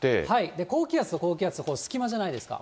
高気圧と高気圧、隙間じゃないですか。